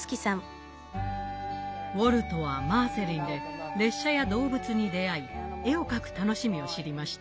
ウォルトはマーセリンで列車や動物に出会い絵を描く楽しみを知りました。